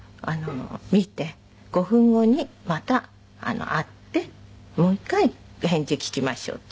見て５分後にまた会ってもう一回返事を聞きましょう」って。